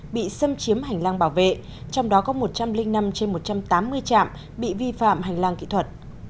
bị xâm chiếm hành lang bảo vệ trong đó có một trăm linh năm trên một trăm tám mươi trạm bị vi phạm hành lang kỹ thuật